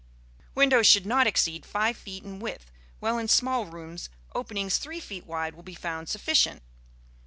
Windows should not exceed five feet in width, while in small rooms openings three feet wide will be found sufficient.